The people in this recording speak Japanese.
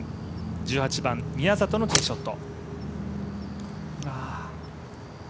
１８番、宮里のティーショット。